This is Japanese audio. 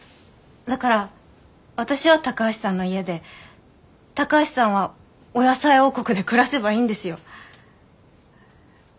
だから私は高橋さんの家で高橋さんはお野菜王国で暮らせばいいんですよ。